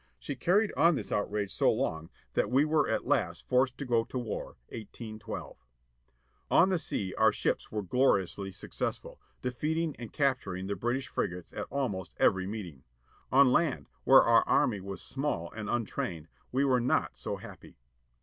She carried on this outrage so long that we were at last forced to go to war, 18 12. On the sea our ships were gloriously successful, defeating and capturing the British frigates at almost every meeting. On land, where our army was small and untrained, we were not so happy.